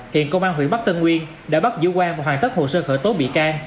hiện công an huyện bắc tân uyên đã bắt giữ quan và hoàn tất hồ sơ khởi tố bị can